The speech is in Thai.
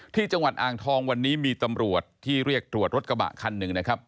ที่จังหวัดอ่างทองวันนี้มีตำรวจที่เรียกตรวจรถกระบะคันหนึ่งนะครับ